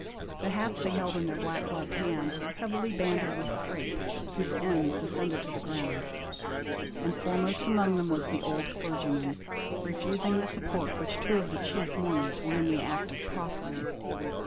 The hats they held in their black gloved hands were heavily banded with crepe whose ends descended to the ground, and foremost among them was the old clergyman, refusing the support which 138 THE INDIAJf LAMP SHADE. two of the chief mourners were in the act of proffering.